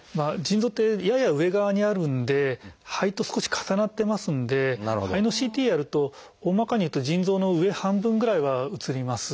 腎臓ってやや上側にあるんで肺と少し重なってますんで肺のＣＴやると大まかにいうと腎臓の上半分ぐらいは写ります。